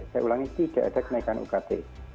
saya ulangi tidak ada kenaikan ukt